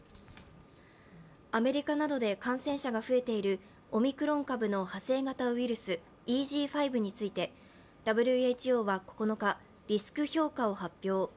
アメリカなどで感染者が増えているオミクロン株の派生型ウイルスＥＧ５についてＷＨＯは９日、リスク評価を発表。